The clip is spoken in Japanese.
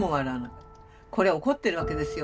これは怒ってるわけですよ